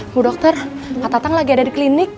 bu dokter pak tatang lagi ada di klinik